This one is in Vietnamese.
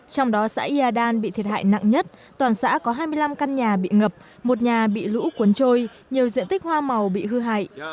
trong đó xã yà đan bị thiệt hại nặng nhất toàn xã có hai mươi năm căn nhà bị ngập một nhà bị lũ cuốn trôi nhiều diện tích hoa màu bị hư hại